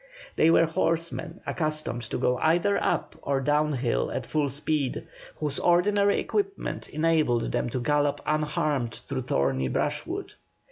They were horsemen, accustomed to go either up or down hill at full speed, whose ordinary equipment enabled them to gallop unharmed through thorny brushwood.